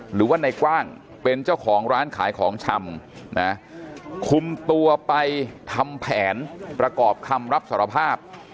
หรือว่าในกว้างเป็นเจ้าของร้านขายของชำนะคุมตัวไปทำแผนประกอบคำรับสารภาพ